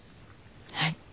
はい。